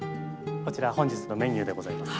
こちら本日のメニューでございます。